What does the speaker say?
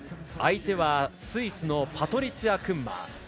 相手はスイスのパトリツィア・クンマー。